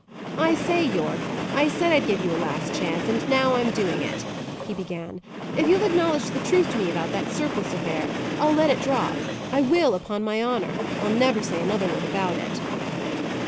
"I say, Yorke, I said I'd give you a last chance, and now I am doing it," he began. "If you'll acknowledge the truth to me about that surplice affair, I'll let it drop. I will, upon my honour. I'll never say another word about it."